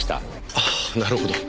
ああなるほど。